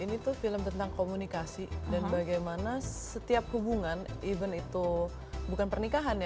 ini tuh film tentang komunikasi dan bagaimana setiap hubungan even itu bukan pernikahan ya